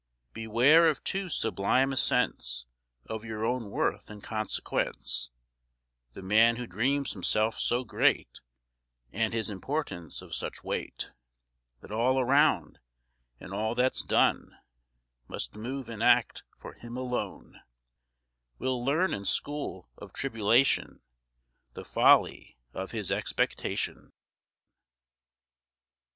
Beware of too sublime a sense Of your own worth and consequence: The man who dreams himself so great, And his importance of such weight, That all around, in all that's done, Must move and act for him alone, Will learn in school of tribulation The folly of his expectation.